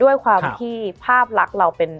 มันทำให้ชีวิตผู้มันไปไม่รอด